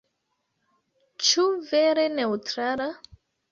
Ĉu vere neŭtrala?